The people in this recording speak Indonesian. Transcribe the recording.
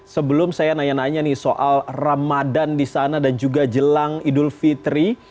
sebelum saya nanya nanya nih soal ramadan di sana dan juga jelang idul fitri